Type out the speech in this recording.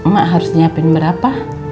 mak harus nyiapin berapa